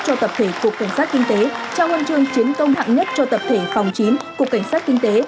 cho tập thể cục cảnh sát kinh tế trao huân chương chiến công hạng nhất cho tập thể phòng chín cục cảnh sát kinh tế